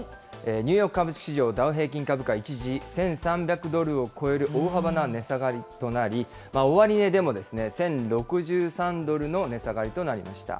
ニューヨーク株式市場ダウ平均株価、一時１３００ドルを超える大幅な値下がりとなり、終値でも１０６３ドルの値下がりとなりました。